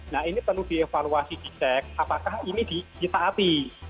nah ini perlu dievaluasi di cec apakah ini ditaapi